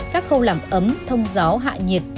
các khâu làm ấm thông gió hạ nhiệt